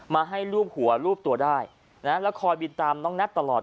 มาให้ลูบหัวรูปตัวได้นะแล้วคอยบินตามน้องแท็ตตลอด